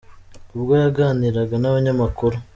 ubwo yaganiraga n'abanyamakuru.